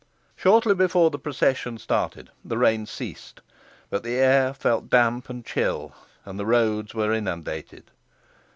Shortly before the procession started the rain ceased, but the air felt damp and chill, and the roads were inundated.